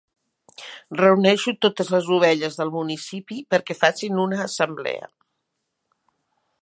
Reuneixo totes les ovelles del municipi perquè facin una assemblea.